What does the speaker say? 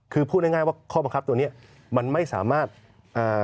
คือพูดง่ายง่ายว่าข้อบังคับตัวเนี้ยมันไม่สามารถอ่า